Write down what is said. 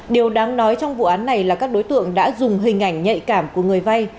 điều đáng nói trong vụ án này là các đối tượng đã dùng hình ảnh nhạy cảm của người vay